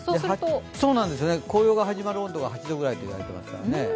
紅葉が始まる温度が８度くらいといわれていますからね。